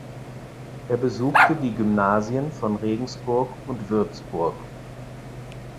Er besuchte die Gymnasien von Regensburg und Würzburg.